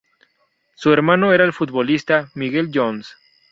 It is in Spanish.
Su hermano era el futbolista Miguel Jones.